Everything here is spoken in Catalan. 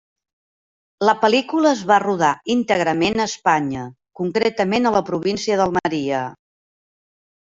La pel·lícula es va rodar íntegrament a Espanya, concretament a la província d'Almeria.